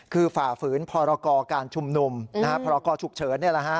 คือฝ่าฝืนพรกรการชุมนุมพรกรฉุกเฉิน